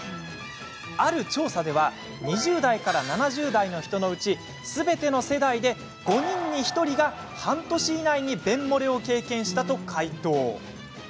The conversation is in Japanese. ある調査では２０代から７０代の人のうちすべての世代で５人に１人が半年以内に便もれを経験したと回答。